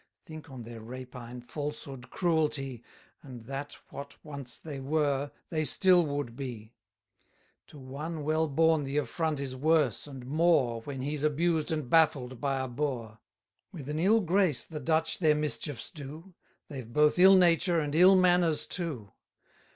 Think on their rapine, falsehood, cruelty, And that what once they were, they still would be. To one well born the affront is worse and more, When he's abused and baffled by a boor. With an ill grace the Dutch their mischiefs do; They've both ill nature and ill manners too.